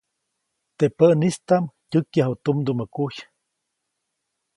Teʼ päʼnistaʼm tyäkyaju tumdumä kuy.